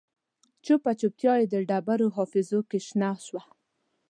چوپه چوپتیا یې د ډبرو حافظو کې شنه شوه